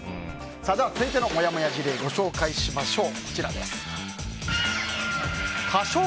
続いてのモヤモヤ事例をご紹介しましょう。